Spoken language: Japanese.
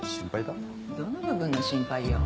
どの部分の心配よ？